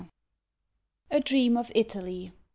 A DREAM OF ITALY.